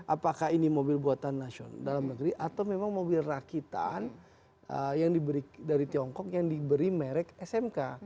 apakah ini mobil buatan nasional dalam negeri atau memang mobil rakitan yang dari tiongkok yang diberi merek smk